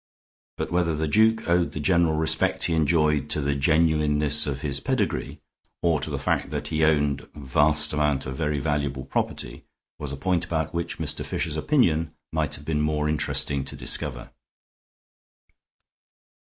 But whether the duke owed the general respect he enjoyed to the genuineness of his pedigree or to the fact that he owned a vast amount of very valuable property was a point about which Mr. Fisher's opinion might have been more interesting to discover.